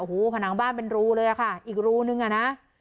โอ้โหผนังบ้านเป็นรูเลยอะค่ะอีกรูนึงอ่ะนะ